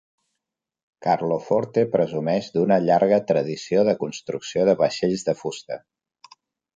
Carloforte presumeix d'una llarga tradició de construcció de vaixells de fusta.